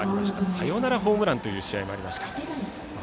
サヨナラホームランという試合もありました。